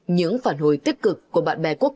những phản hồi tích cực của bạn bè quốc tế